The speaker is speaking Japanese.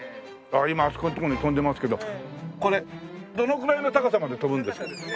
ああ今あそこのところに飛んでますけどこれどのぐらいの高さまで飛ぶんですか？